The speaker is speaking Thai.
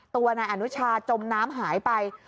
ตัวนายอนุชาจมน้ำหายไป